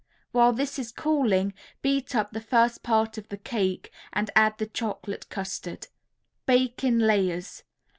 While this is cooling beat up the first part of the cake and add the chocolate custard. Bake in layers.